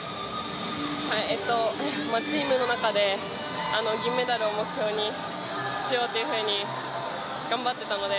チームの中で銀メダルを目標にしようというふうに頑張ってたので。